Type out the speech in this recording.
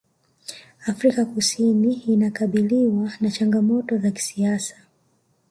afrika kusini inakabiliwa na changamoto za kisiasa